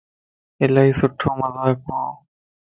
الائي سھڻو مذاق ھو